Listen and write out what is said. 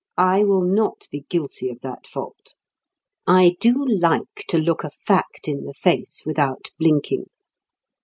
I will not be guilty of that fault. I do like to look a fact in the face without blinking.